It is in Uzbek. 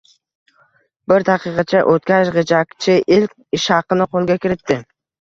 Bir daqiqacha oʻtgach, gʻijjakchi ilk ishhaqini qoʻlga kiritdi